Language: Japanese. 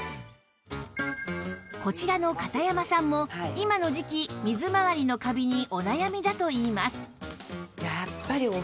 こちらの片山さんも今の時季水まわりのカビにお悩みだといいます